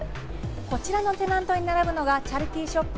こちらのテナントに並ぶのがチャリティーショップ